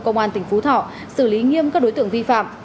công an thị xã phú thọ xử lý nghiêm các đối tượng vi phạm